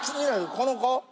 この子！